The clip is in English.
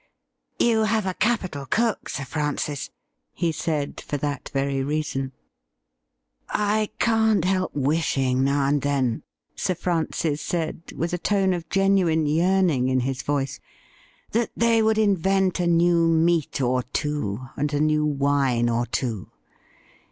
' You have a capital cook. Sir Fi'ancis,' he said, for that very reason. ' I can't help wishing now and then,' Sir Francis said, with a tone of genuine yearning in his voice, ' that they would invent a new meat or two and a new wine or two.